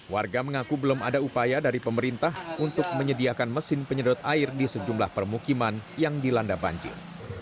warga mengaku belum ada upaya dari pemerintah untuk menyediakan mesin penyedot air di sejumlah permukiman yang dilanda banjir